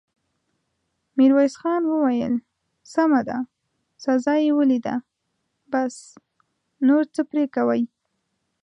ميرويس خان وويل: سمه ده، سزا يې وليده، بس، نور څه پرې کوې!